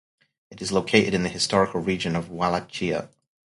It is located in the historical region of Wallachia.